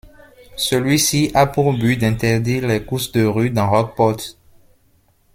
Celui-ci a pour but d'interdire les courses de rue dans Rockport.